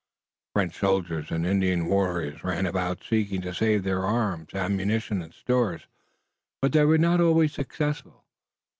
French soldiers and Indian warriors ran about, seeking to save their arms, ammunition and stores, but they were not always successful.